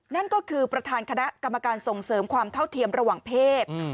นั่นก็คือประธานคณะกรรมการส่งเสริมความเท่าเทียมระหว่างเพศ